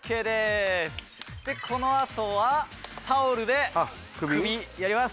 このあとはタオルで首やります。